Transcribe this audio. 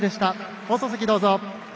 放送席、どうぞ。